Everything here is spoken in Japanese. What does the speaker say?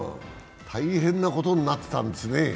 大変なことになってたんですね。